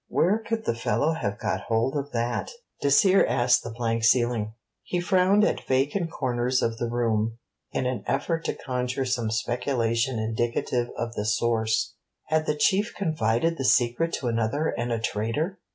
Where could the fellow have got hold of that? Dacier asked the blank ceiling. He frowned at vacant corners of the room in an effort to conjure some speculation indicative of the source. Had his Chief confided the secret to another and a traitor?